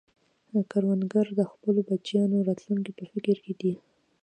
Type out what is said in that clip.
کروندګر د خپلو بچیانو راتلونکې په فکر کې دی